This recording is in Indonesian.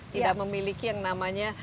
tidak memiliki yang namanya